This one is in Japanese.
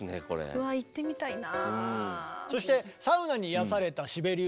うわ行ってみたいな。